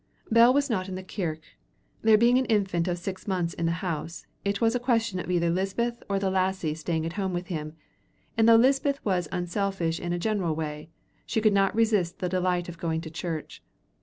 Bell was not in the kirk. There being an infant of six months in the house, it was a question of either Lisbeth or the lassie's staying at home with him, and though Lisbeth was unselfish in a general way, she could not resist the delight of going to church.